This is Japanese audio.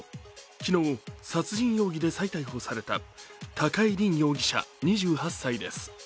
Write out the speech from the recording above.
昨日、殺人容疑で再逮捕された高井凜容疑者２８歳です。